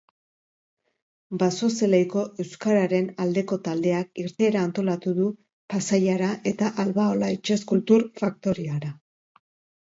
Basozelaiko Euskararen Aldeko Taldeak irteera antolatu du Pasaiara eta Albaola Itsas Kultur Faktoriara